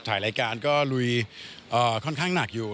ถ่ายรายการก็ลุยค่อนข้างหนักอยู่